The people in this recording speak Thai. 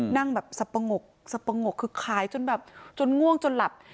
นั่งแบบสับปะงกสับปะงกคือขายจนแบบจนง่วงจนหลับ